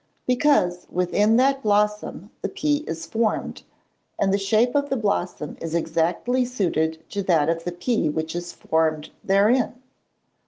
"_ Because, within that blossom the pea is formed, and the shape of the blossom is exactly suited to that of the pea which is formed therein.